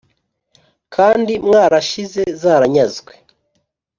kandi mwarashize zaranyazwe